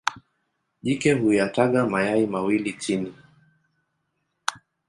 Jike huyataga mayai mawili chini.